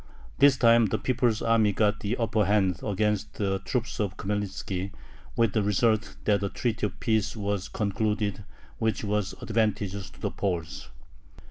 This time the people's army got the upper hand against the troops of Khmelnitzki, with the result that a treaty of peace was concluded which was advantageous to the Poles.